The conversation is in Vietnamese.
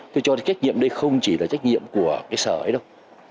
tôi cho trách nhiệm đây không chỉ là trách nhiệm của cái sở ấy đâu